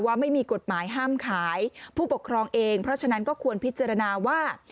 ว่าไม่มีกฎหมายห้ามขายผู้ปกครองเองเพราะฉะนั้นก็ควรพิจารณาว่า